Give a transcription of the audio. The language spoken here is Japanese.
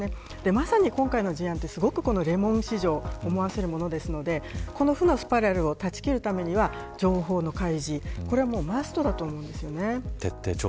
まさに今回の事案はレモン市場を思わせるものですのでこの負のスパイラルを断ち切るためには情報の開示これはマストだと思うんです。